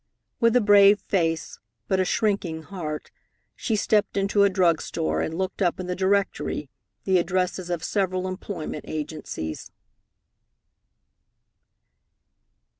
With a brave face, but a shrinking heart, she stepped into a drug store and looked up in the directory the addresses of several employment agencies.